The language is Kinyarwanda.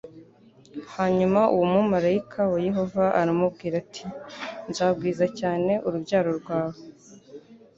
Hanyuma uwo mumarayika wa Yehova aramubwira ati nzagwiza cyane urubyaro rwawe